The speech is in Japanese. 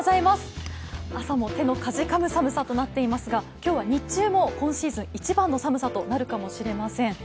朝も手のかじかむ寒さとなっていますが今日は日中も今シーズン一番の寒さとなるかもしれません。